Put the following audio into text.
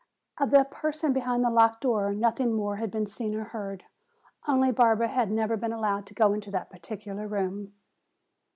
Of the person behind the locked door, nothing more had been seen or heard. Only Barbara had never been allowed to go into that particular room.